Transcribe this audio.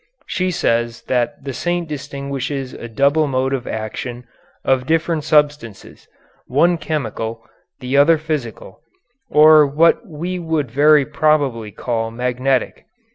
She says that the saint distinguishes a double mode of action of different substances, one chemical, the other physical, or what we would very probably call magnetic.